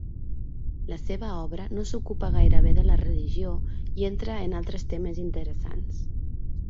La seva obra no s'ocupa gairebé de la religió i entra en altres temes interessants.